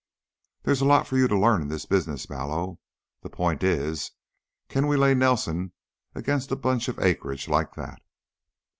"There's a lot for you to learn in this business, Mallow. The point is, can we lay Nelson against a bunch of acreage like that?"